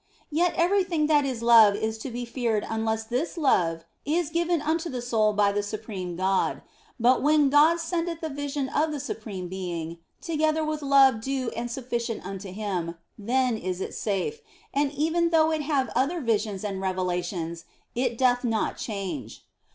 Yet everything that is love is to be feared unless this love is given unto the soul by the Supreme God ; but when God sendeth the vision of the Supreme Being, together with love due and sufficient unto Him, then is it safe, and even though it have other visions and revelations it doth not change.